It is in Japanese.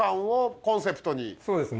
そうですね。